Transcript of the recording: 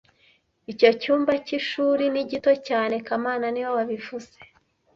Icyo cyumba cy'ishuri ni gito cyane kamana niwe wabivuze